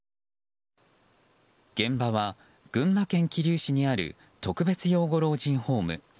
現場は群馬県桐生市にある特別養護老人ホーム。